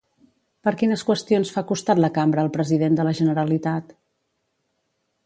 Per quines qüestions fa costat la cambra al president de la Generalitat?